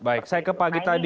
baik saya ke pagi tadi